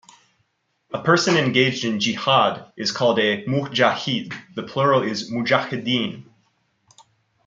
A person engaged in jihad is called a "mujahid"; the plural is mujahideen.